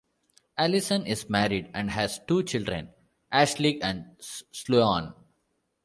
Allison is married and has two children, Ashleigh and Sloan.